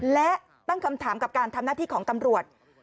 และตั้งคำถามกับการทำหน้าที่ของตำรวจ